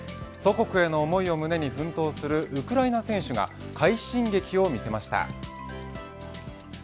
祖国への思いを胸に奮闘するウクライナ選手が快進撃を見せました。